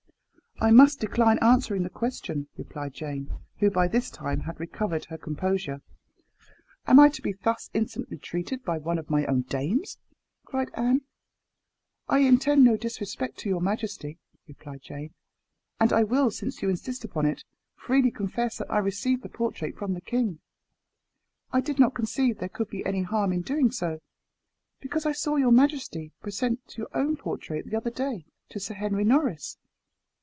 "I must decline answering the question," replied Jane, who by this time had recovered her composure. "Ah! am I to be thus insolently treated by one of my own dames?" cried Anne. "I intend no disrespect to your majesty," replied Jane, "and I will, since you insist upon it, freely confess that I received the portrait from the king. I did not conceive there could be any harm in doing so, because I saw your majesty present your own portrait, the other day, to Sir Henry Norris."